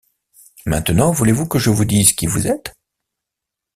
Maintenant voulez-vous que je vous dise qui vous êtes?